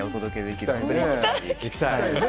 行きたい。